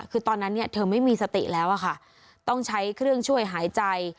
คือตอนนั้นเนี่ยเธอไม่มีสติแล้วอะค่ะต้องใช้เครื่องช่วยหายใจ